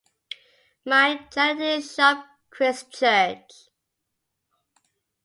Mind Charity Shop Christchurch.